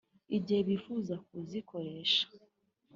igihe bifuza kuzikoresha